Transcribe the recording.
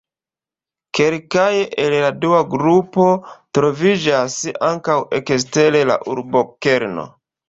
Kelkaj el la dua grupo troviĝas ankaŭ ekster la urbokerno.